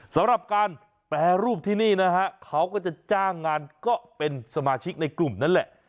สำหรับการแปรรูปที่นี่นะฮะเขาก็จะจ้างงานก็เป็นสมาชิกในกลุ่มนั้นแหละ